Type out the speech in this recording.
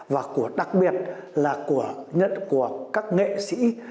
và đặc biệt là của các nghệ sĩ